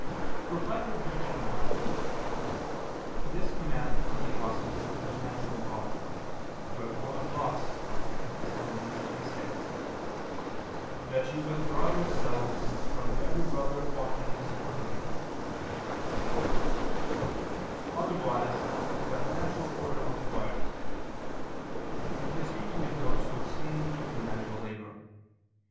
Reply Obj. 1: This command of the Apostle is of natural law: wherefore a gloss on 2 Thess. 3:6, "That you withdraw yourselves from every brother walking disorderly," says, "otherwise than the natural order requires," and he is speaking of those who abstained from manual labor.